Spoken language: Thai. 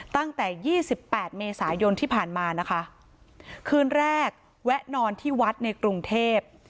ตั้งแต่ยี่สิบแปดเมษายนที่ผ่านมานะคะคืนแรกแวะนอนที่วัดในกรุงเทพ